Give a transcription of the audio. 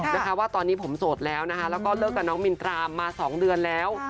นะคะว่าตอนนี้ผมโสดแล้วนะคะแล้วก็เลิกกับน้องมินตรามา๒เดือนแล้ว